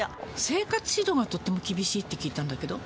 生活指導がとっても厳しいって聞いたんだけど。